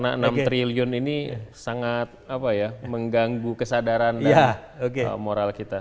dan si triliun ini sangat mengganggu kesadaran dan moral kita